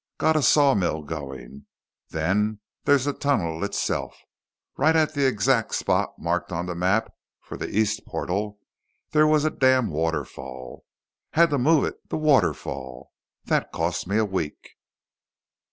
Got a sawmill going. Then there's the tunnel itself. Right at the exact spot marked on the map for the east portal, there was a damn waterfall. Had to move it the waterfall. That cost me a week."